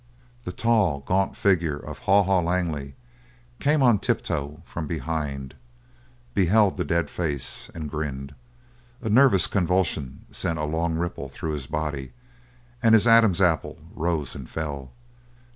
The tall, gaunt figure of Haw Haw Langley came on tiptoe from behind, beheld the dead face, and grinned; a nervous convulsion sent a long ripple through his body, and his Adam's apple rose and fell.